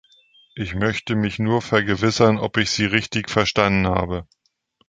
Ich möchte mich nur vergewissern, ob ich Sie richtig verstanden habe.